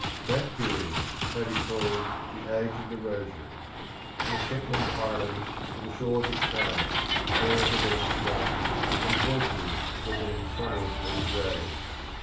That period may be called The Age of the Rosary. From the Shetland Islands to the shores of China, prayers were being strung, and voices were being sonorously raised.